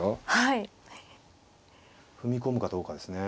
踏み込むかどうかですね。